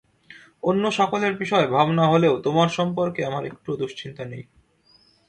অন্য সকলের বিষয়ে ভাবনা হলেও তোমার সম্পর্কে আমার একটুও দুশ্চিন্তা নেই।